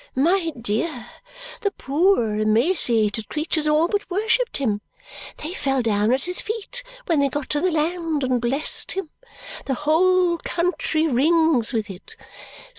My dear, the poor emaciated creatures all but worshipped him. They fell down at his feet when they got to the land and blessed him. The whole country rings with it.